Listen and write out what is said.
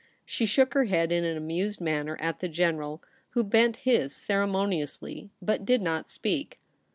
She shook her head in an amused manner at the General, who bent his ceremoniously, but did not speak.